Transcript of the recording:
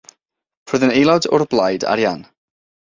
Roedd yn aelod o'r Blaid Arian.